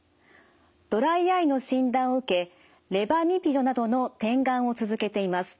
ドライアイの診断を受けレバミピドなどの点眼を続けています。